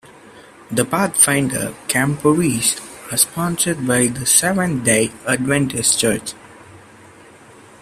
The Pathfinder camporees are sponsored by the Seventh-day Adventist Church.